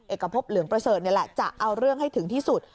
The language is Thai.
เอกพบเหลืองประเสริฐนี่แหละจะเอาเรื่องให้ถึงที่สุด